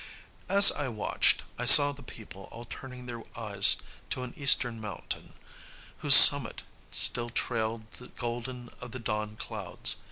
As I watched, I saw the people all turning their eyes to an eastern mountain, whose summit still trailed the golden of the dawn clouds.